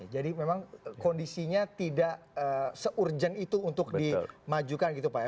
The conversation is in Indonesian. jadi memang kondisinya tidak se urgen itu untuk di maju kan gitu pak ya